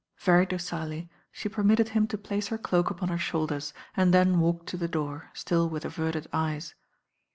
Very docilely she permitted him to place her doak upon her shoulders and then walked to the door, sdll with averted eyes.